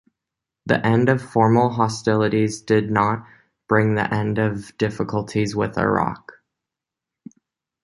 The end of formal hostilities did not bring the end of difficulties with Iraq.